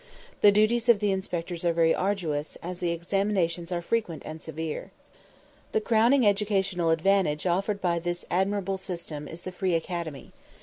The duties of the inspectors are very arduous, as the examinations are frequent and severe. The crowning educational advantage offered by this admirable system is the Free Academy.